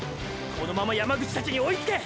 このまま山口たちに追いつけ！！